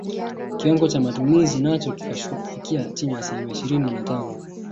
Kiwango cha matumizi nacho kikashuka kufikia chini ya asilimia ishirini na tano